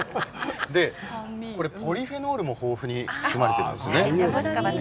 ポリフェノールも豊富に含まれているんですよね。